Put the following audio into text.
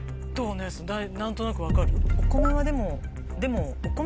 姉さん何となく分かる？